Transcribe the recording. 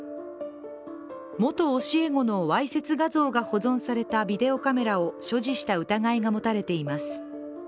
元教え子のわいせつ画像が保存されたビデオカメラを所持した疑いが持たれています